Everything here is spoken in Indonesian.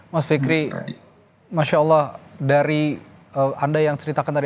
mas fikri masya allah dari anda yang ceritakan tadi